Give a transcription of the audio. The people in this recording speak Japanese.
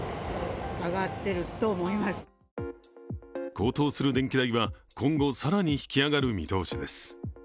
高騰する電気代が今後、更にひき上がる見通しです。